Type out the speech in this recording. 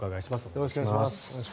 よろしくお願いします。